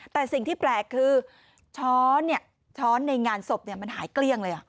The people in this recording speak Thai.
แต่สิ่งที่แปลกคือช้อนช้อนในงานศพมันหายเกลี้ยงเลย